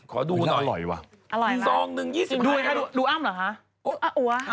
ขอดูหน่อยอร่อยมากดูอั๊มเหรอฮะอร่อยมากดูอั๊ม